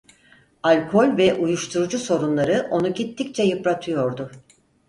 Alkol ve uyuşturucu sorunları onu gittikçe yıpratıyordu.